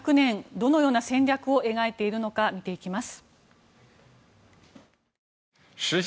どのような戦略を描いているのか見ていきます。